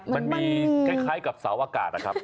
มันมีคล้ายกับเสาอากาศนะครับ